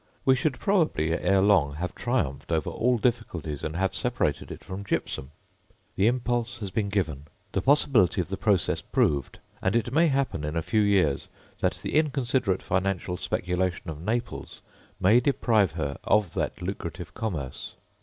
We should probably ere long have triumphed over all difficulties, and have separated it from gypsum. The impulse has been given, the possibility of the process proved, and it may happen in a few years that the inconsiderate financial speculation of Naples may deprive her of that lucrative commerce.